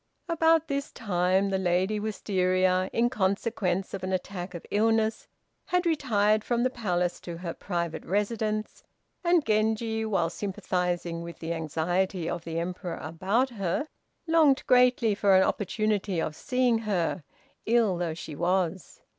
About this time the Lady Wistaria, in consequence of an attack of illness, had retired from the palace to her private residence, and Genji, while sympathizing with the anxiety of the Emperor about her, longed greatly for an opportunity of seeing her, ill though she was.